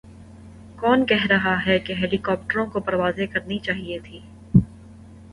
کون کہہ رہاہے کہ ہیلی کاپٹروں کو پروازیں کرنی چائیں تھیں۔